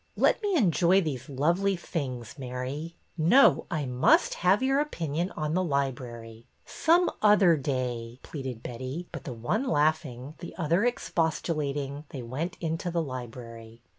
Let me enjoy these lovely things, Mary." No, I must have your opinion on the library." '' Some other day," pleaded Betty ; but the one laughing, the other expostulating, they went into the library.